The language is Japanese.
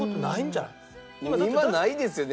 今ないですよね